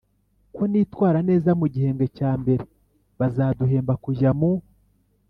ko nitwitwara neza mu gihembwe cya mbere, bazaduhemba kujya mu